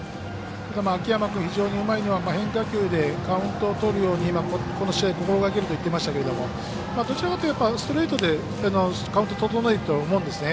ただ、秋山君、非常にうまい変化球でカウントをとるように今、この試合、心がけると言っていましたけどどちらかというとストレートでカウントを整えると思うんですね。